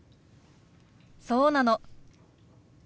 そうなの。